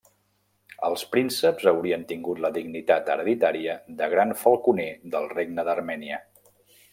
Els prínceps haurien tingut la dignitat hereditària de Gran Falconer del Regne d'Armènia.